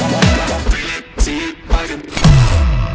บ๊ายบาย